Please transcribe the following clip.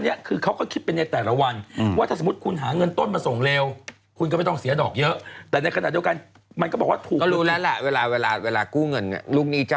อ้านี่ดูนี่เอาอะไรทั้งอยากขอสูตรแม้ทำไมกูไม่ซื้อถ่วยถูกอย่างนี้วะ